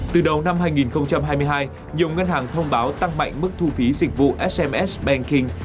từ đầu năm hai nghìn hai mươi hai nhiều ngân hàng thông báo tăng mạnh mức thu phí dịch vụ sms banking